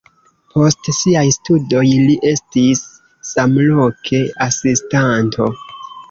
Post siaj studoj li estis samloke asistanto.